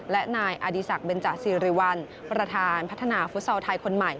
และนายอดีศักดิเบนจาซีริวัลประธานพัฒนาฟุตซอลไทยคนใหม่